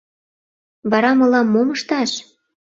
— Вара мылам мом ышташ?